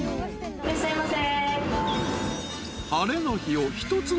いらっしゃいませ。